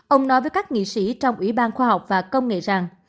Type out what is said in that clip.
ông nói với các nghị sĩ trong ủy ban khoa học và công nghệ rằng